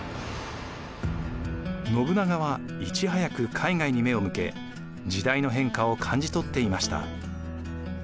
信長はいち早く海外に目を向け時代の変化を感じ取っていました。